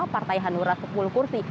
partai hanura sepuluh kursi